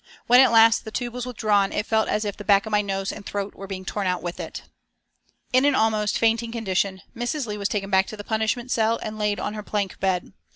When at last the tube was withdrawn it felt as if the back of my nose and throat were being torn out with it." In an almost fainting condition Mrs. Leigh was taken back to the punishment cell and laid on her plank bed.